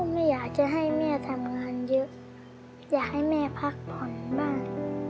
งานเยอะอย่าให้แม่พักผ่อนบ้าง